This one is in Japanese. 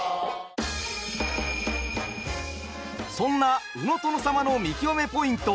そんな「鵜の殿様」の見きわめポイント